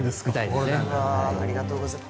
ありがとうございます。